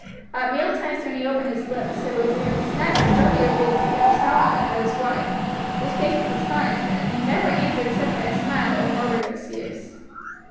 At mealtimes when he opened his lips it was either to snap at Charlie or Lucy, or to snarl at his wife, whose patience astonished Ned, and who never answered except by a smile or murmured excuse.